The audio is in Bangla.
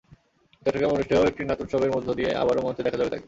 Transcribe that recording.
চট্টগ্রামে অনুষ্ঠেয় একটি নাট্যোত্সবের মধ্য দিয়ে আবারও মঞ্চে দেখা যাবে তাঁকে।